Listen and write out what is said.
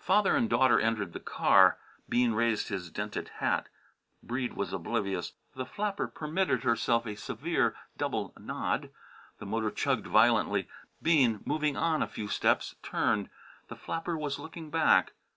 Father and daughter entered the car. Bean raised his dented hat. Breede was oblivious; the flapper permitted herself a severe double nod. The motor chugged violently. Bean, moving on a few steps, turned. The flapper was looking back.